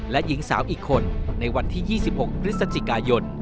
และหญิงสาวอีกคนในวันที่๒๖พฤศจิกายน